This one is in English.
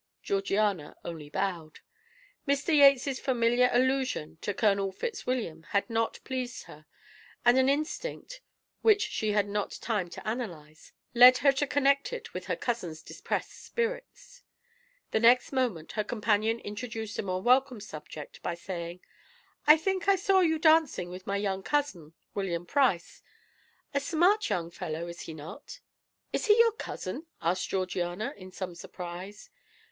Georgiana only bowed; Mr. Yates's familiar allusion to Colonel Fitzwilliam had not pleased her, and an instinct, which she had not time to analyse, led her to connect it with her cousin's depressed spirits. The next moment her companion introduced a more welcome subject by saying: "I think I saw you dancing with my young cousin, William Price; a smart young fellow, is he not?" "Is he your cousin?" asked Georgiana, in some surprise.